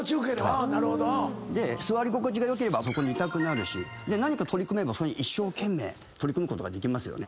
座り心地が良ければそこにいたくなるし何か取り組めばそれに一生懸命取り組むことができますよね。